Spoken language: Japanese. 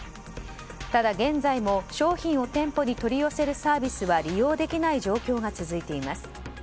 ただ、現在も商品を店舗に取り寄せるサービスは利用できない状況が続いています。